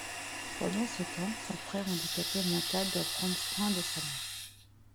Pendant ce temps, son frère handicapé mental doit prendre soin de sa mère.